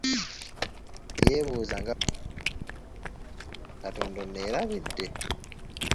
Yeebuuza nga bwagamba nti katonda onneerabidde?